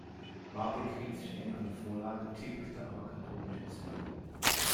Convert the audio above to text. Warbeck hielt sich eng an die Vorlage, tilgte aber katholische Züge.